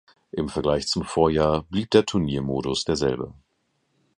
Im Vergleich zum Vorjahr blieb der Turniermodus derselbe.